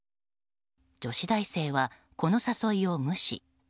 女子大生はこの誘いを無視。